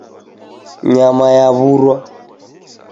Nyama yawurwa.